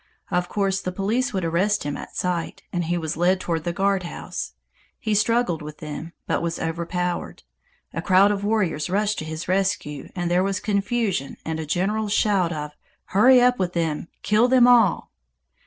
Of course the police would arrest him at sight, and he was led toward the guardhouse. He struggled with them, but was overpowered. A crowd of warriors rushed to his rescue, and there was confusion and a general shout of "Hurry up with them! Kill them all!"